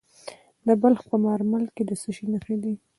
د بلخ په مارمل کې د څه شي نښې دي؟